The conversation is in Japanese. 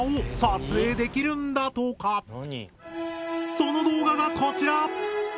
その動画がこちら！